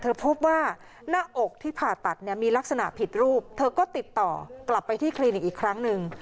พบว่าหน้าอกที่ผ่าตัดเนี่ยมีลักษณะผิดรูปเธอก็ติดต่อกลับไปที่คลินิกอีกครั้งหนึ่ง